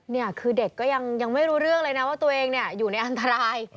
นี่คือเด็กก็ยังไม่รู้เรื่องเลยนะว่าตัวเองอยู่ในอันตราย